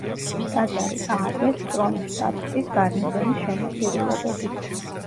ტაძარი ააგეს კრონშტადტის გარნიზონის შემოწირულობებით.